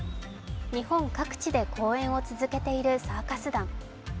日本各地で公演を続けているサーカス団。